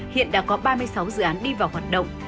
hiện đã có ba mươi sáu dự án đi vào hoạt động